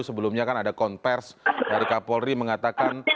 sebelumnya kan ada konversi dari kapolri mengatakan